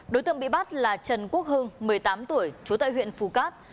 đối tượng bị bắt là trần quốc hưng một mươi tám tuổi trú tại huyện phù cát